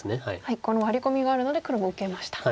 このワリコミがあるので黒も受けました。